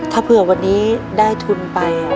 ถ้าเผื่อวันนี้ได้ทุนไป